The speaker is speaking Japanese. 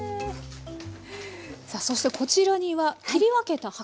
さあそしてこちらには切り分けた白菜。